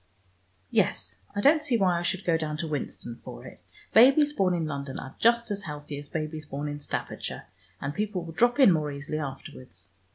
Yes, I don't see why I should go down to Winston for it. Babies born in London are just as healthy as babies born in Staffordshire, and people will drop in more easily afterwards.